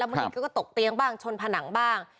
และมือนี้เขาก็ตกเตี๊ยงบ้างชนผนังบ้าง